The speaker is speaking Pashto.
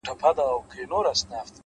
هوډ د نیمې لارې ستړیا نه مني،